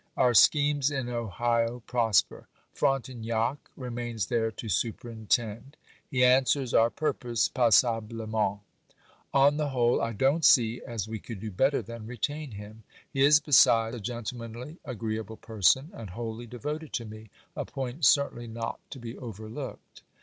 Our schemes in Ohio prosper. Frontignac remains there to superintend. He answers our purpose passablement. On the whole I don't see as we could do better than retain him; he is, beside, a gentlemanly, agreeable person, and wholly devoted to me—a point certainly not to be overlooked.